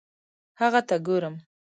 هغه ته ګورم